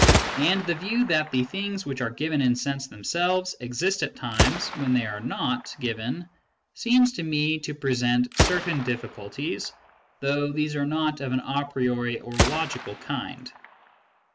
And the view that the things which are given in sense themselves exist at times when they are not given seems to me to present certain difticulties, though these are not of an a priori or logical kind.